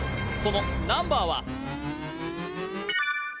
そのナンバーは？